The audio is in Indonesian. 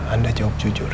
anda jawab jujur